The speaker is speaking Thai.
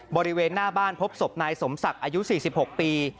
บริเวณหน้าบ้านพบศพนายสมศักดิ์อายุ๔๖ปี